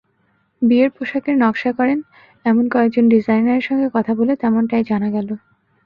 বিয়ের পোশাকের নকশা করেন—এমন কয়েকজন ডিজাইনারের সঙ্গে কথা বলে তেমনটাই জানা গেল।